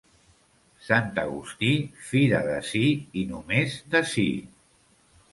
Sant Agustí, fira d'ací i només d'ací.